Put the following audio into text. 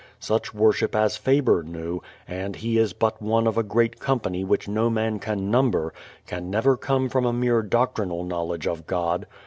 Such worship as Faber knew (and he is but one of a great company which no man can number) can never come from a mere doctrinal knowledge of God.